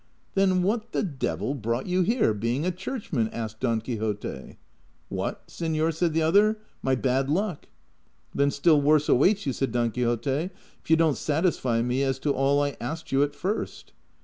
" Then what the devil brought you here, being a church man ?" asked Don Quixote. " What, seilor ?" said the other. " My bad luck." '' Then still worse awaits you," said Don Quixote, " if you don't satisfy me as to all I asked you at first."